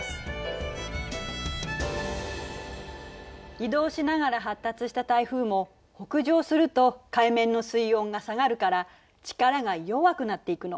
移動しながら発達した台風も北上すると海面の水温が下がるから力が弱くなっていくの。